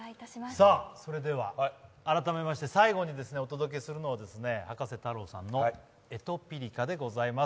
それでは改めまして最後にお届けするのが葉加瀬太郎さんの「Ｅｔｕｐｉｒｋａ」でございます。